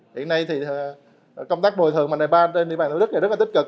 hiện nay thì công tác bồi thường vành đai ba trên địa bàn thủ đức này rất là tích cực